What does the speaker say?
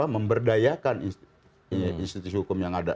memberdayakan institusi hukum yang ada